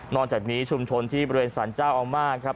นอนจากนี้ชุมชนที่บริเวณศาลเจ้าออกมากครับ